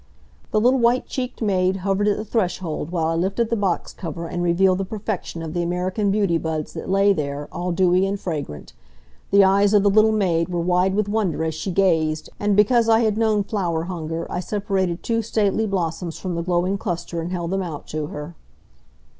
The little white cheeked maid hovered at the threshold while I lifted the box cover and revealed the perfection of the American beauty buds that lay there, all dewy and fragrant. The eyes of the little maid were wide with wonder as she gazed, and because I had known flower hunger I separated two stately blossoms from the glowing cluster and held them out to her.